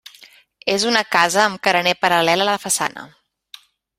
És una casa amb carener paral·lel a la façana.